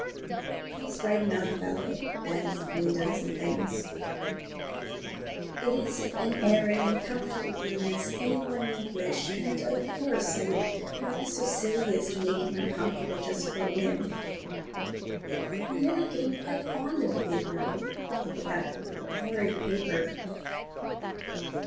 But he is right enough about the beds and windows and things. It is as airy and comfortable a room as any one need wish, and, of course, I would not be so silly as to make him uncomfortable just for a whim. I'm really getting quite fond of the big room, all but that horrid paper.